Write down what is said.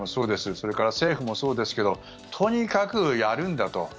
それから政府もそうですけどとにかくやるんだと。